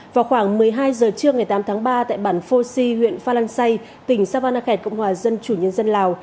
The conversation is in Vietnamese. vào khoảng một mươi hai h trưa ngày tám tháng ba tại bản phô si huyện phan lang say tỉnh savanakhet cộng hòa dân chủ nhân dân lào